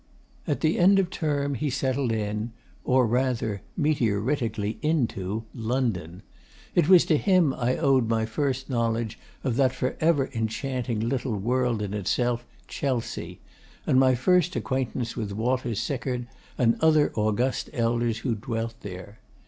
At the end of Term he settled in or rather, meteoritically into London. It was to him I owed my first knowledge of that forever enchanting little world in itself, Chelsea, and my first acquaintance with Walter Sickert and other august elders who dwelt there.